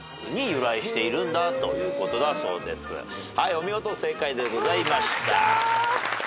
お見事正解でございました。